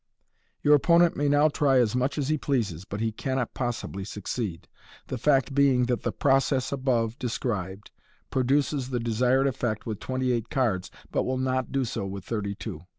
Your opponent may now try as much as he pleases, but he cannot possibly succeed, the fact being that the procesa above described pro duces the desired effect with twenty eight cards, but will not do so with thirty two.